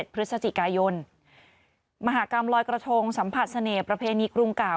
พฤศจิกายนมหากรรมลอยกระทงสัมผัสเสน่ห์ประเพณีกรุงเก่า